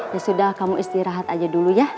ya sudah kamu istirahat aja dulu ya